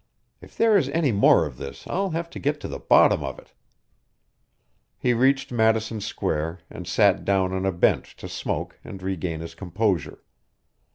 "If there is any more of this, I'll have to get to the bottom of it!" He reached Madison Square, and sat down on a bench to smoke and regain his composure.